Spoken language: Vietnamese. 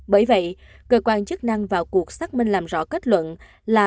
bởi vậy cơ quan chức năng vào cuộc xác minh làm rõ kết luận là